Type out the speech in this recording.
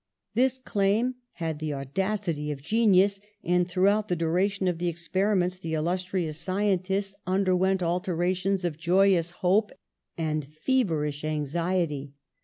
This claim had the au dacity of genius, and throughout the duration of the experiments the illustrious scientist mi 130 PASTEUR derwent alternations of joyous hope and fever ish anxiety.